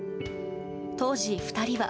当時、２人は。